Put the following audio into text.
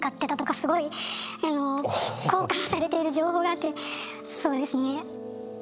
すごい交換されている情報があってそうですね。